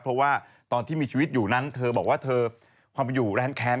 เพราะว่าตอนที่มีชีวิตอยู่นั้นเธอบอกว่าเธอความอยู่แร้นแค้น